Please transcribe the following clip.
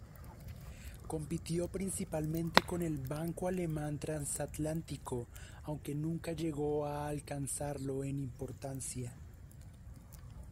Compitió principalmente con el Banco Alemán Transatlántico, aunque nunca llegó a alcanzarlo en importancia.